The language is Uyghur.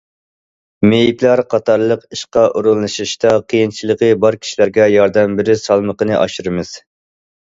مېيىپلەر قاتارلىق ئىشقا ئورۇنلىشىشتا قىيىنچىلىقى بار كىشىلەرگە ياردەم بېرىش سالمىقىنى ئاشۇرىمىز.